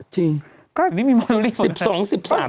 จริงอันนี้มีโมเดลลิ่งหมดแล้ว